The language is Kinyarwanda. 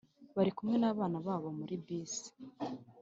bari kumwe n’abana babo muri bus